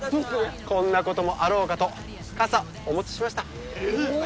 こんなこともあろうかと傘お持ちしましたおおー